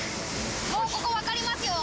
もうここ分かりますよ。